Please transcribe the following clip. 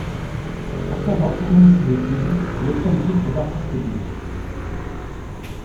Après avoir terminé ses études, il obtient le titre d'artiste libre.